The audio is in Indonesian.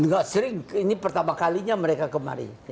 nggak sering ini pertama kalinya mereka kemari